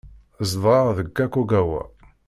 Zedɣeɣ deg Kakogawa.